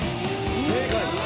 正解。